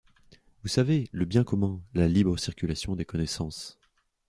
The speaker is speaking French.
Vous savez, le bien commun, la libre circulation des connaissances.